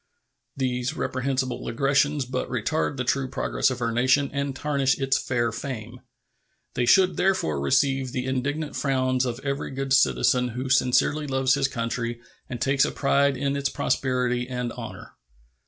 These reprehensible aggressions but retard the true progress of our nation and tarnish its fair fame. They should therefore receive the indignant frowns of every good citizen who sincerely loves his country and takes a pride in its prosperity and honor.